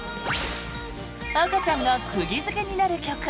赤ちゃんが釘付けになる曲